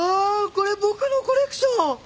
これ僕のコレクション！